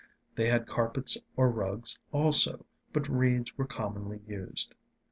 They had carpets or rugs also, but reeds were commonly used.